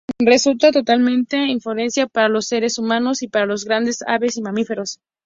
Resulta totalmente inofensiva para los seres humanos y para las grandes aves y mamíferos.